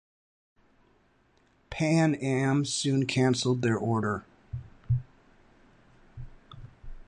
Pan Am soon canceled their order.